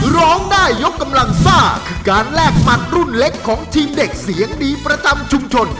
ร้องได้ยกกำลังซ่าคือการแลกหมัดรุ่นเล็กของทีมเด็กเสียงดีประจำชุมชน